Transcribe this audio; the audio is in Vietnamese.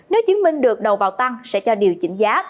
nếu chứng minh được đầu vào tăng sẽ cho điều chỉnh giá